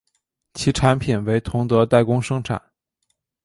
其产品为同德代工生产。